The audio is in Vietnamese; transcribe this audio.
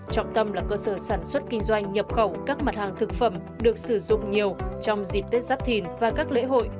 trọng tâm là cơ sở sản xuất kinh doanh nhập khẩu các mặt hàng thực phẩm được sử dụng nhiều trong dịp tết giáp thìn và các lễ hội